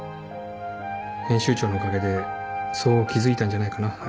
編集長のおかげでそう気付いたんじゃないかな。